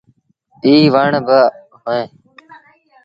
ائيٚݩ وڻ با اوهيݩ۔